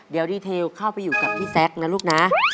เดี๋ยวดีเทลเข้าไปอยู่กับพี่แซคนะลูกนะ